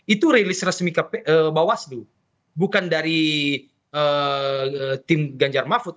itu rilis resmi bawaslu bukan dari tim ganjar mahfud